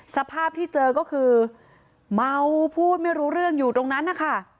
สภาพที่เจอก็คือเมาพูดไม่รู้เรื่องอยู่ตรงนั้นนะคะ